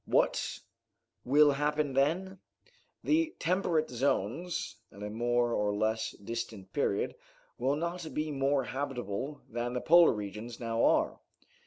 What will happen, then? The temperate zones, at a more or less distant period, will not be more habitable than the polar regions now are.